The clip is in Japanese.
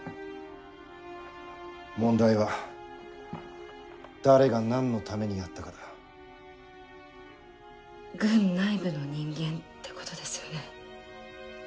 問題は誰が何のためにやったかだ軍内部の人間ってことですよね？